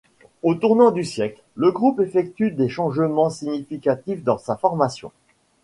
Au tournant du siècle, le groupe effectue des changements significatifs dans sa formation.